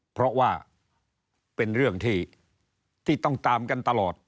เพราะว่าเป็นเรื่องที่ต้องตามกันตลอด